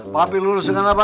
pak pi lulus dengan apa